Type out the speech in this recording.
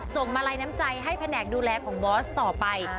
มาลัยน้ำใจให้แผนกดูแลของบอสต่อไป